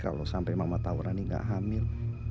kalau sampai mama tau rani gak hamil